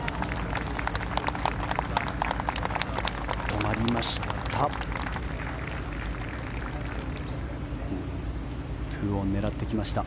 止まりました。